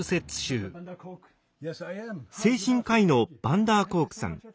精神科医のヴァンダーコークさん。